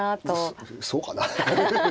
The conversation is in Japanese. そうかな？